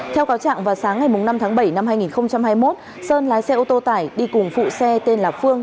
theo cáo trạng vào sáng ngày năm tháng bảy năm hai nghìn hai mươi một sơn lái xe ô tô tải đi cùng phụ xe tên là phương